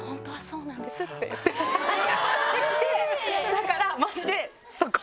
だからマジで。